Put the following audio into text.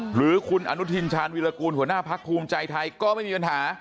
หรือคุณอนุทินชาญวิรากูลหัวหน้าพักภูมิใจไทยก็ไม่มีปัญหา